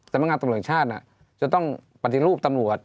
สำนักงานตำรวจชาติจะต้องปฏิรูปตำรวจ